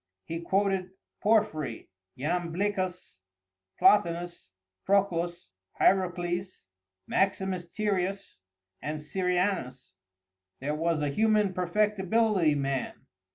He quoted Porphyry, Iamblicus, Plotinus, Proclus, Hierocles, Maximus Tyrius, and Syrianus. There was a human perfectibility man.